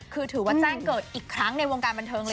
คือถือว่าแจ้งเกิดอีกครั้งในวงการบันเทิงเลย